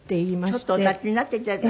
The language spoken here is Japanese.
ちょっとお立ちになっていただいて。